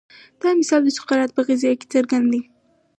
دا مثال د سقراط په قضیه کې څرګند دی.